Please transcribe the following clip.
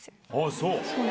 そう？